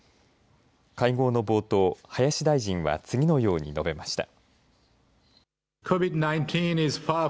会合の冒頭、林大臣は次のように述べました。